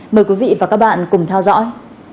mời quý vị và các bạn cùng theo dõi